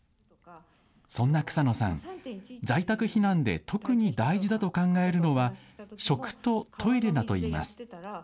そんな草野さん、在宅避難で特に大事だと考えるのは食とトイレだといいます。